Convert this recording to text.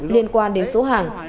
liên quan đến số hàng